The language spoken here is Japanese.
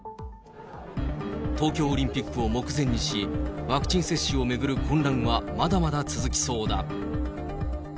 東京オリンピックを目前にし、ワクチン接種を巡る混乱はまだまだ続きそうだ。